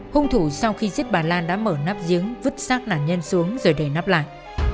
hung thủ sau khi giết bà lan đã mở nắp giếng vứt sát nạn nhân xuống rồi để nắp lại